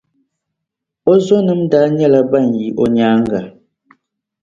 O zonima daa nyɛla ban yi o nyaaŋa.